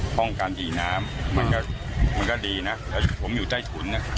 ห้องการผีน้ำทุนมันก็ดีอย่างเก่าผมอยู่ใต้ถุน